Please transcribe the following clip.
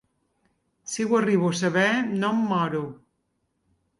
Si ho arribo a saber, no em moro!